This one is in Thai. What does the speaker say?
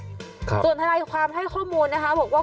ส่วนทางรายความให้ข้อมูลนะคะบอกว่า